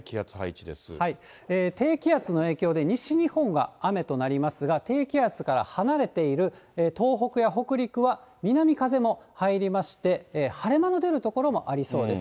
低気圧の影響で、西日本が雨となりますが、低気圧から離れている東北や北陸は南風も入りまして、晴れ間の出る所もありそうです。